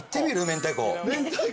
明太子。